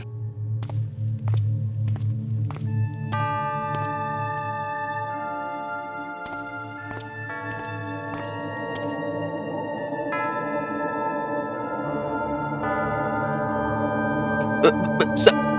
aku akan pergi ke depan